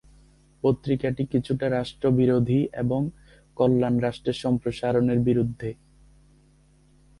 পত্রিকাটি কিছুটা রাষ্ট্রবিরোধী এবং কল্যাণ রাষ্ট্রের সম্প্রসারণের বিরুদ্ধে।